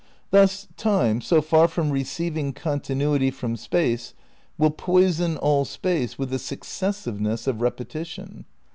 Thus Time, so far from receiving continuity from Space will poison all Space with the successive ness of repetition.